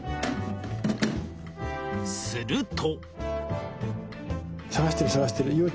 すると。